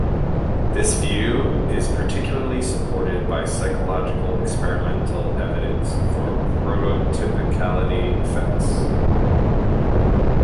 This view is particularly supported by psychological experimental evidence for prototypicality effects.